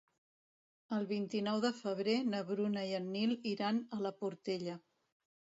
El vint-i-nou de febrer na Bruna i en Nil iran a la Portella.